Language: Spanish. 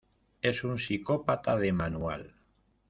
Es un psicópata de manual.